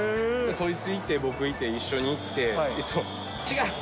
そいついて、僕いて、一緒に行って、違う！